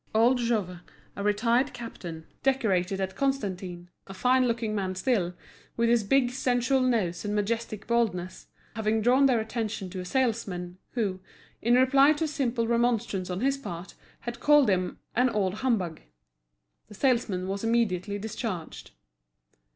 Old Jouve, a retired captain, decorated at Constantine, a fine looking man still, with his big sensual nose and majestic baldness, having drawn their attention to a salesman, who, in reply to a simple remonstrance on his part, had called him "an old humbug," the salesman was immediately discharged.